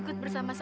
aku belum mau mati